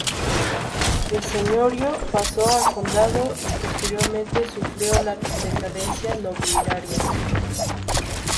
De señorío pasó a condado y posteriormente sufrió la decadencia nobiliaria.